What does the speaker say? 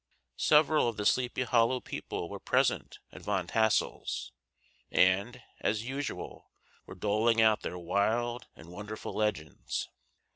Several of the Sleepy Hollow people were present at Van Tassel's, and, as usual, were doling out their wild and wonderful legends.